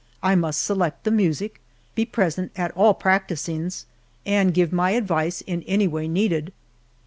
I must select the music, be present at all practicings, and give my advice in any way needed.